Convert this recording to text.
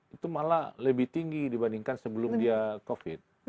itu malah lebih tinggi dibandingkan sebelum dia covid